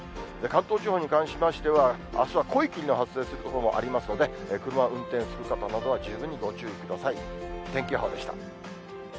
関東地方に関しましては、あすは濃い霧が発生する所もありますので、車を運転する方などは十分にご注意ください。